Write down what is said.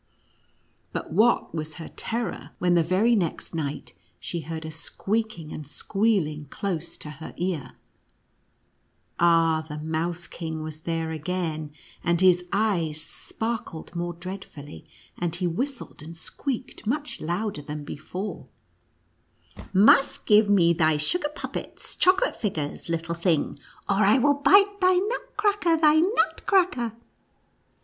But what was her terror, when the very next night she heard a squeaking and squealing close to her ear ! Ah, the Mouse King was there again, and his eyes sparkled NUTCEAOKEE AND MOUSE KING. 97 more dreadfully, and he whistled and squeaked much louder than before: "Must give me thy sugar puppets — chocolate figures — little thing — or I will bite thy Nutcracker — thy Nutcracker